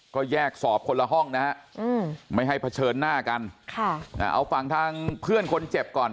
ก็แยกสอบคนละห้องนะฮะไม่ให้เผชิญหน้ากันเอาฝั่งทางเพื่อนคนเจ็บก่อน